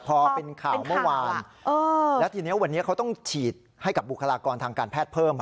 พอเป็นข่าวเมื่อวานแล้วทีนี้วันนี้เขาต้องฉีดให้กับบุคลากรทางการแพทย์เพิ่ม